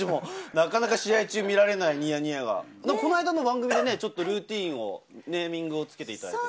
なかなか試合中、見られないニヤニヤが、この間の番組でね、ちょっとルーティンをネーミングをつけていただいて。